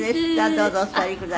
どうぞお座りください。